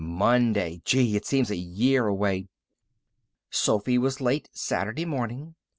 "Monday. Gee! it seems a year away." Sophy was late Saturday morning.